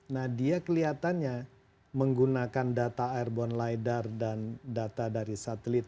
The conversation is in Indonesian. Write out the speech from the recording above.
nah dia kelihatannya menggunakan data airborne lidar dan data dari satelit